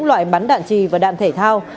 loại bắn đạn trì và đạn thể thao